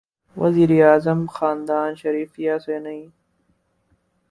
وزیر اعظم خاندان شریفیہ سے نہیں۔